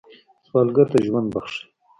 سوالګر ته ژوند بخښئ